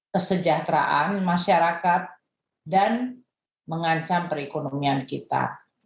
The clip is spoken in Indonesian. kesejahteraan masyarakat dan mengancam perekonomian kita